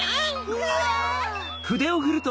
うわ！